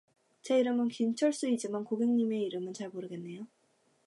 제 이름은 김철수이지만, 고객님의 이름은 잘 모르겠네요.